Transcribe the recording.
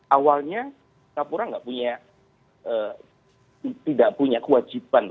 awalnya singapura tidak punya kewajiban